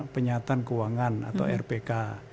penyihatan keuangan atau rpk